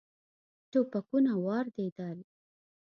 ټوپکونه واردېدل.